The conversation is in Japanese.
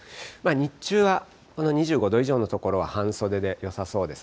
日中はこの２５度以上の所は半袖でよさそうです。